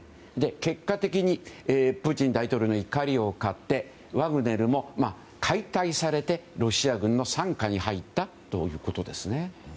結果的にプーチン大統領の怒りを買ってワグネルも解体されてロシア軍の傘下に入ったということです。